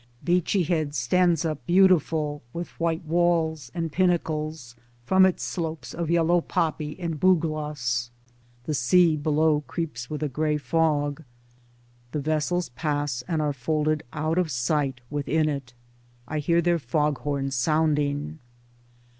Beachy Head stands up beautiful, with white walls and pinnacles, from its slopes of yellow poppy and bugloss ; the sea below creeps with a grey fog, the vessels pass and are folded out of sight within it. I hear their foghorns sounding.